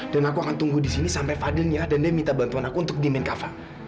dan aku akan tunggu di sini sampai fadlin dan dia minta bantuan aku untuk diemin kava